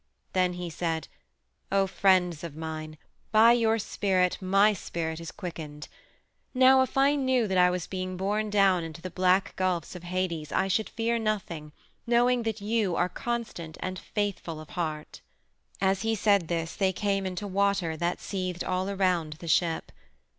Then he said: "O friends of mine, by your spirit my spirit is quickened. Now if I knew that I was being borne down into the black gulfs of Hades, I should fear nothing, knowing that you are constant and faithful of heart." As he said this they came into water that seethed all around the ship.